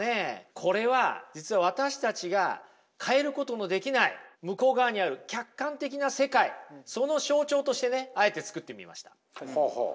これは実は私たちが変えることのできない向こう側にある客観的な世界その象徴としてねあえてつくってみました。